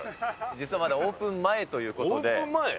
実はまだオープン前というこオープン前？